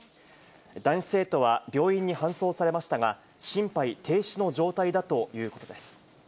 男子生徒は病院に搬送されましたが、心肺停止の状態だということです。